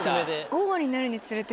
午後になるにつれて？